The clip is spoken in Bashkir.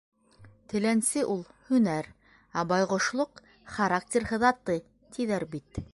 Теләнсе ул - һөнәр, ә байғошлоҡ характер һыҙаты, тиҙәр бит.